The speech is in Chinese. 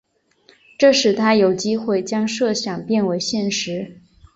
这使他有机会将设想变为现实。